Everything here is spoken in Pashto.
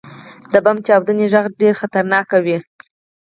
• د بم چاودنې ږغ ډېر خطرناک وي.